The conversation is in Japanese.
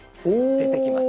出てきます